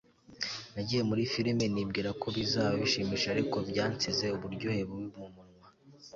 Nagiye muri firime nibwira ko bizaba bishimishije ariko byansize uburyohe bubi mumunwa